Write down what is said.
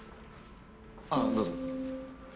あぁどうぞ。